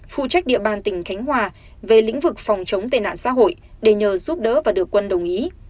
phụ trách địa bàn tỉnh khánh hòa về lĩnh vực phòng chống tệ nạn xã hội để nhờ giúp đỡ và được quân đồng ý